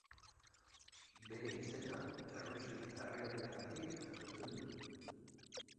Bere izena, Errusia herrialdeagatik jasotzen du.